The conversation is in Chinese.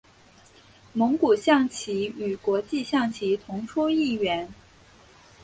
蒙古象棋和国际象棋同出一源。